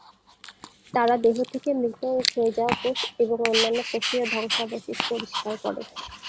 তারা দেহ থেকে মৃত ও ক্ষয়ে যাওয়া কোষ এবং অন্যান্য কোষীয় ধ্বংসাবশেষ পরিষ্কার করে।